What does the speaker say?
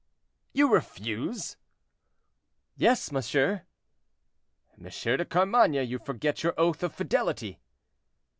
"You refuse?" "Yes, monsieur." "M. de Carmainges, you forget your oath of fidelity."